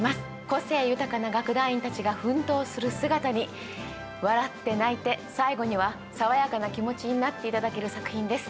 個性豊かな楽団員たちが奮闘する姿に笑って泣いて最後には爽やかな気持ちになって頂ける作品です。